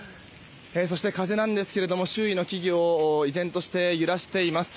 風なんですが周囲の木々を依然として揺らしています。